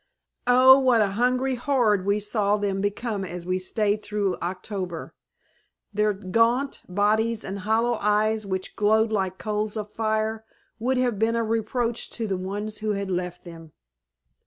Oh, what a hungry horde we saw them become as we stayed through October! Their gaunt bodies and hollow eyes which glowed like coals of fire, would have been a reproach to the ones who had left them.